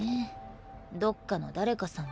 どっかの誰かさん